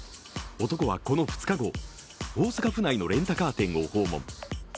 男はこの２日後、大阪府内のレンタカー店を訪問。